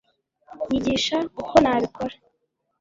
nyigisha uko nabikora